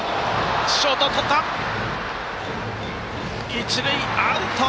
一塁アウト！